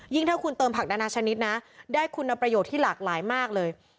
ถ้าคุณเติมผักนานาชนิดนะได้คุณประโยชน์ที่หลากหลายมากเลย